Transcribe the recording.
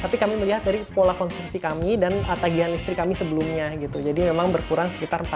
tapi kami melihat dari pola konsumsi kami dan tagihan listrik kami sebelumnya gitu jadi memang berkurang sekitar empat puluh